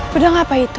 pedang apa itu